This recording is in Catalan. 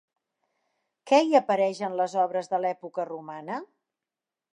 Què hi apareix en les obres de l'època romana?